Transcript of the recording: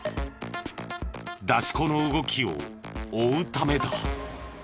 出し子の動きを追うためだ。